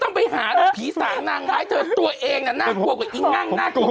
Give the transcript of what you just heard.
ไอ้ปีศจากนางท้ายเธอตัวเองอ่ะน่ากลัวกว่าไอ้ง่างน่ากลัว